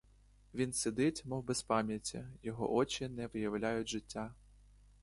Він сидить, мов без пам'яті, його очі не виявляють життя.